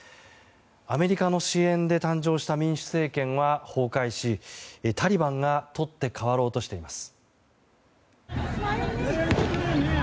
アメリカの支援で誕生した民主政権は崩壊しタリバンが取って代わろうとしています。